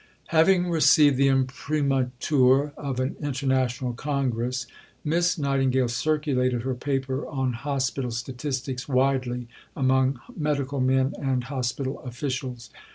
Having received the imprimatur of an International Congress, Miss Nightingale circulated her paper on Hospital Statistics widely among medical men and hospital officials.